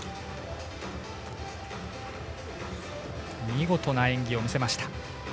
見事な演技を見せました。